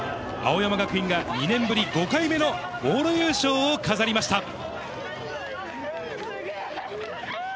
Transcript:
青山学院が２年ぶり５回目の往路優勝を飾りました。